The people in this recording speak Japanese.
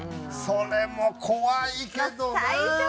それも怖いけどね。